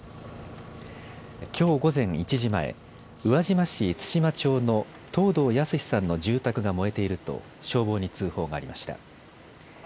きょう午前１時前、宇和島市津島町の藤堂泰さんの住宅が燃えていると消防に通報がありました。